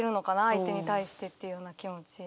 相手に対してっていうような気持ち。